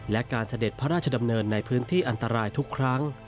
และการเสด็จพระราชดำเนินในพื้นที่อันตรายทุกครั้ง